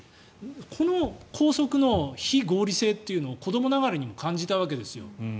この校則の非合理性というのを子どもながらにも感じたわけです。